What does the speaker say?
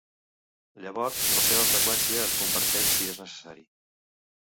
Llavors la seva freqüència es converteix si és necessari.